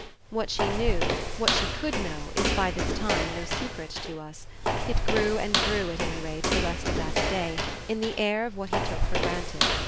What she knew, what she COULD know is by this time no secret to us: it grew and grew at any rate, the rest of that day, in the air of what he took for granted.